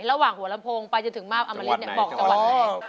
ระหว่างหัวลำโพงไปจนถึงมาบอมริตบอกจังหวัดแรก